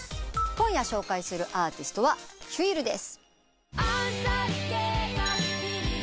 今夜紹介するアーティストはＨｗｙｌです。